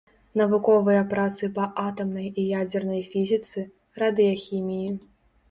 Навуковыя працы па атамнай і ядзернай фізіцы, радыяхіміі.